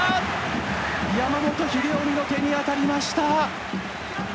山本英臣の手に当たりました。